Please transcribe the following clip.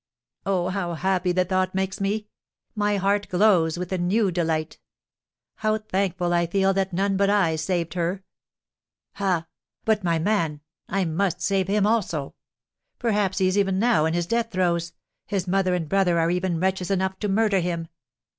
Oh, how happy the thought makes me! My heart glows with a new delight. How thankful I feel that none but I saved her! Ha! but my man, I must save him also. Perhaps he is even now in his death throes his mother and brother are even wretches enough to murder him!